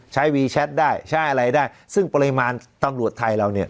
วีแชทได้ใช้อะไรได้ซึ่งปริมาณตำรวจไทยเราเนี่ย